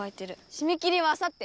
しめ切りはあさって！